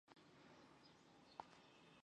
穿着统一的白底红衬骑士装。